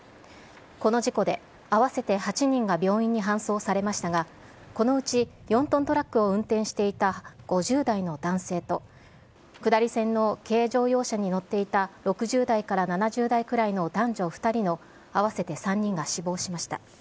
この事故で、合わせて８人が病院に搬送されましたが、このうち４トントラックを運転していた５０代の男性と、下り線の軽乗用車に乗っていた６０代から７０代くらいの男女２人の合わせて３人が死亡しました。